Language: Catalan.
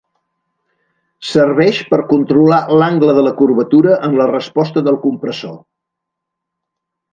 Serveix per controlar l'angle de la curvatura en la resposta del compressor.